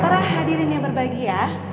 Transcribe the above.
terah hadirin yang berbahagia